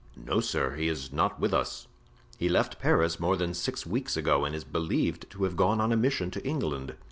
"No, sir, he is not with us; he left Paris more than six weeks ago and is believed to have gone on a mission to England."